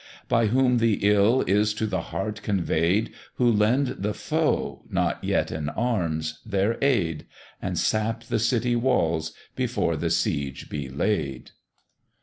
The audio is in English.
By whom the ill is to the heart conveyed, Who lend the foe, not yet in arms, their aid; And sap the city walls before the siege be laid?